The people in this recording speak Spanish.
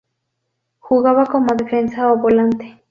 Jugaba como defensa o volante.